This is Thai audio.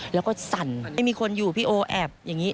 แล้วก็สั่นมีคนอยู่พี่โอแอบอย่างนี้